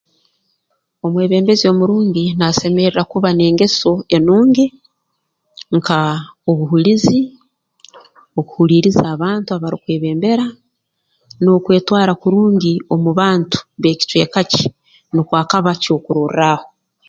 Omwebembezi omurungi naasemerra kuba n'engeso enungi nka obuhulizi okuhuliiriza abantu aba arukwebembera n'okwetwara kurungi omu bantu b'ekicweka kye nukwo akaba ky'okurorraaho